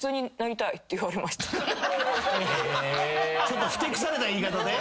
ちょっとふてくされた言い方で？